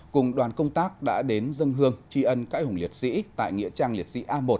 cùng đoàn công tác đã đến dân hương tri ân các anh hùng liệt sĩ tại nghĩa trang liệt sĩ a một